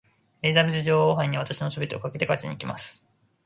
エリザベス女王杯に私の全てをかけて勝ちにいきます。